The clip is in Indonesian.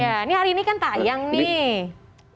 ya ini hari ini kan tayang nih